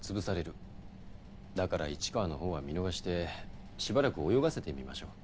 だから市川のほうは見逃してしばらく泳がせてみましょう。